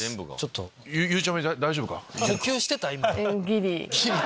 ゆうちゃみ大丈夫か？